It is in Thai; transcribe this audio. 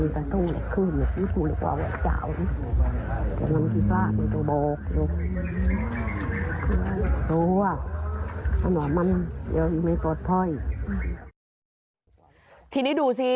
ทีนี้ดูสิ